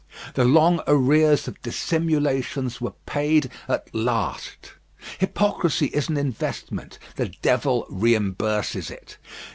The long arrears of dissimulations were paid at last. Hypocrisy is an investment; the devil reimburses it.